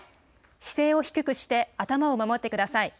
姿勢を低くして頭を守ってください。